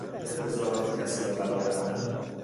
انتظارات کسی را برآوردن